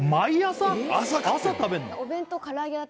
朝食べんの？